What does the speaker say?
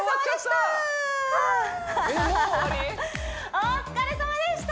お疲れさまでした！